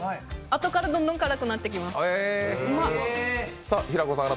あとからどんどん辛くなってきます、うまっ。